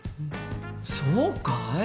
そうかい？